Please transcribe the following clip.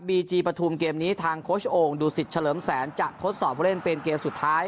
จีปฐุมเกมนี้ทางโค้ชโอ่งดูสิตเฉลิมแสนจะทดสอบผู้เล่นเป็นเกมสุดท้าย